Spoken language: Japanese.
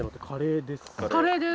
カレーです。